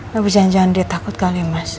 lebih jangan jangan dia takut kali mas